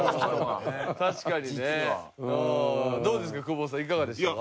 確かにねうん。どうですか？